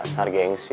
dasar geng sih